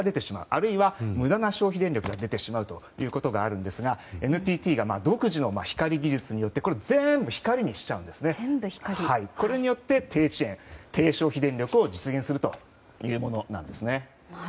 あるいは無駄な消費電力が出てしまうことがあるんですがＮＴＴが独自の光技術によってこれを全部、光にすることで低遅延、低消費電力を実現するということです。